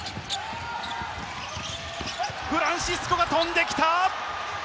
フランシスコが飛んできた！